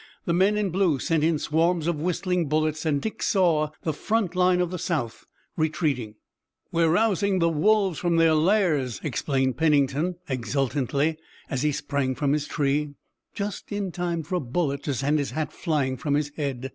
The men in blue sent in swarms of whistling bullets and Dick saw the front line of the South retreating. "We're rousing the wolves from their lairs," explained Pennington exultantly as he sprang from his tree, just in time for a bullet to send his hat flying from his head.